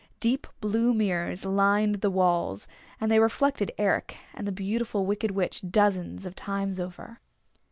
Deep blue mirrors lined the walls, and they reflected Eric and the Beautiful Wicked Witch dozens of times over.